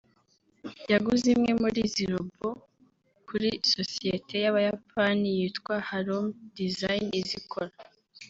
yaguze imwe muri izi robots kuri sosiyete y’Abayapani yitwa Harumi Designs izikora